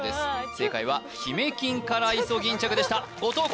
正解はヒメキンカライソギンチャクでした後藤弘